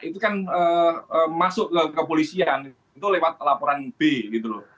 itu kan masuk kepolisian lewat laporan b gitu loh